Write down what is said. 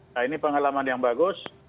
nah ini pengalaman yang bagus